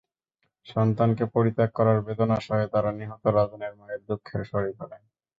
সন্তানকে পরিত্যাগ করার বেদনা সয়ে তাঁরা নিহত রাজনের মায়ের দুঃখের শরিক হলেন।